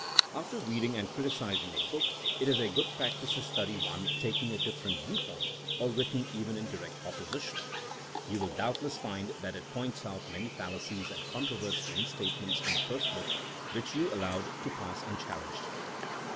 After reading and criticising a book, it is a good practice to study one taking a different viewpoint, or written even in direct opposition^ THINEINO AS A SOIENGE 167 You will doubtless find that it points out many fallacies and controverts many statements in the first book, which you allowed to pass unchal lenged.